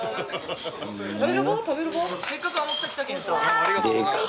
ありがとうございます。